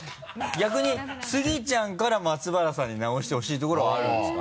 逆にスギちゃんから松原さんに直してほしい所はあるんですか？